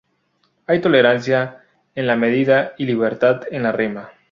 Hay tolerancia en la medida y libertad en la rima.